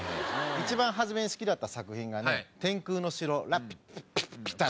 一番初めに好きだった作品がね「天空の城ラピピタ」っていう。